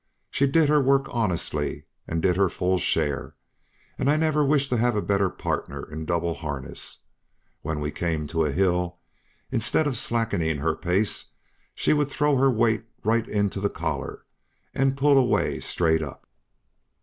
She did her work honestly, and did her full share, and I never wish to have a better partner in double harness. When we came to a hill, instead of slackening her pace, she would throw her weight right into the collar, and pull away straight up.